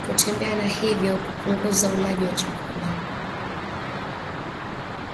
kutembea na hivyo kupunguza ulaji wa chakula